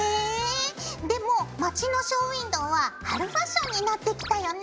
でも街のショーウインドーは春ファッションになってきたよね。